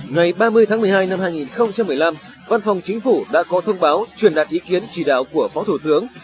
ngày ba mươi tháng một mươi hai năm hai nghìn một mươi năm văn phòng chính phủ đã có thông báo truyền đạt ý kiến chỉ đạo của phó thủ tướng